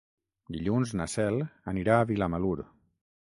Dilluns na Cel anirà a Vilamalur.